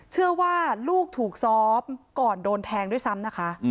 เชื่อว่าลูกถูกซ้อมก่อนโดนแทงด้วยซ้ำนะคะ